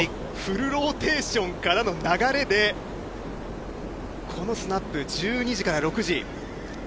もう一度、フルローテーションからの流れでこのスナップ１２時から６時。